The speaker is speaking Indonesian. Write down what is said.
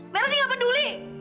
berarti gak peduli